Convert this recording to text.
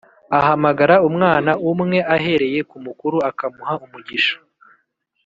ahamagara umwana umwumwe ahereye ku mukuru akamuha umugisha